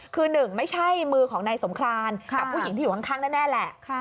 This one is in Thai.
คือหนึ่งไม่ใช่มือของนายสงครานกับผู้หญิงที่อยู่ข้างแน่แหละ